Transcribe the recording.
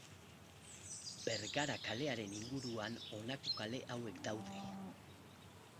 Bergara kalearen inguruan honako kale hauek daude.